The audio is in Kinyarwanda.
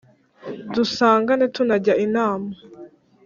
dusugane tunajya inama